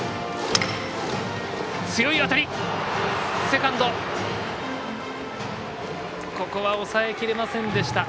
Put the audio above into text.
セカンドここは抑えきれませんでした。